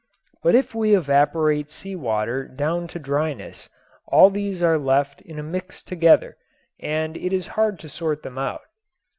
But if we evaporate sea water down to dryness all these are left in a mix together and it is hard to sort them out.